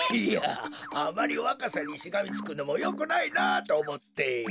いやあまりわかさにしがみつくのもよくないなっとおもって。